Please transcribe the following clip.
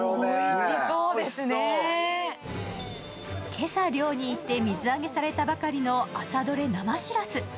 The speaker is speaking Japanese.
今朝、漁に行って水揚げされたばかりの朝どれ生しらす。